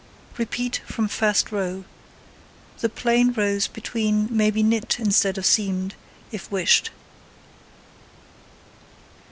Repeat from first row. The plain rows between may be knit, instead of seamed, if wished.